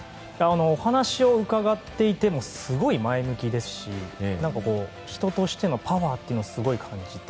お話を伺っていてもすごい前向きですし人としてのパワーをすごい感じて。